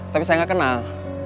tapi saya gak kenal